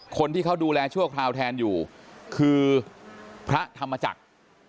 คนที่เขาดูแลชั่วคราวแทนอยู่คือพระธรรมจักร